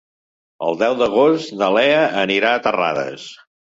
El deu d'agost na Lea anirà a Terrades.